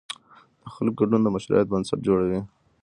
د خلکو ګډون د مشروعیت بنسټ جوړوي